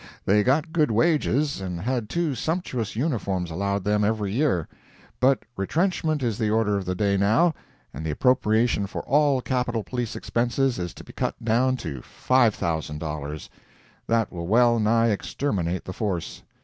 They got good wages, and had two sumptuous uniforms allowed them every year. But retrenchment is the order of the day now, and the appropriation for all Capitol police expenses is to be cut down to $5,000. That will well nigh exterminate the force.